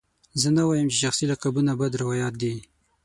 زه نه وایم چې شخصي لقبونه بد روایت دی.